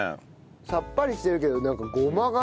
さっぱりしてるけどなんかごまが。